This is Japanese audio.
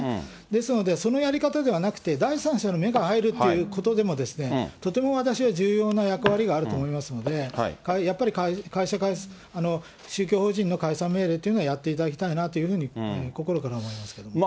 ですので、そのやり方ではなくて、第三者の目が入るということでもですね、とても私は重要な役割があると思いますので、やっぱり宗教法人の解散命令というのをやっていただきたいなというふうに心から思いますけどもね。